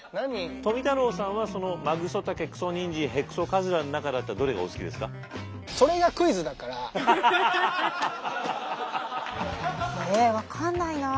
富太郎さんはそのマグソタケクソニンジンヘクソカズラの中だったらえ分かんないな。